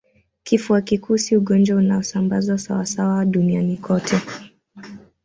Kifua kikuu si ugonjwa unaosambazwa sawasawa duniani kote